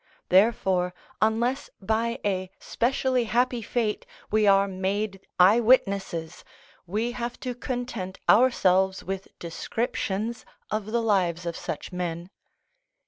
Therefore, unless by a specially happy fate we are made eye witnesses, we have to content ourselves with descriptions of the lives of such men.